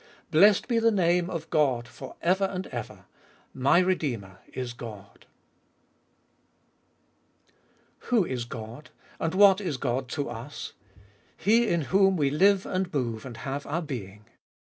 Blessed be the name of God for ever and ever : My Redeemer is God ! 1. Who is God? And what is God to us? "He in whom we Hue and move and have our being."